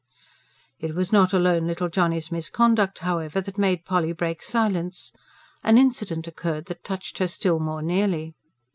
It was not alone little Johnny's misconduct, however, that made Polly break silence. An incident occurred that touched her still more nearly.